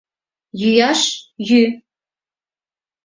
Йӱаш — йӱ!